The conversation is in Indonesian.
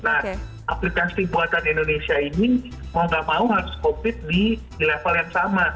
nah aplikasi buatan indonesia ini mau gak mau harus covid di level yang sama